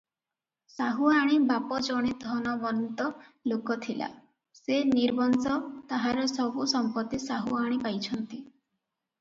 ସାହୁଆଣୀ ବାପ ଜଣେ ଧନବନ୍ତ ଲୋକ ଥିଲା - ସେ ନିର୍ବଂଶ, ତାହାର ସବୁ ସମ୍ପତ୍ତି ସାହୁଆଣୀ ପାଇଛନ୍ତି ।